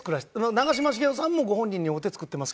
長嶋茂雄さんもご本人に会うて作ってますから。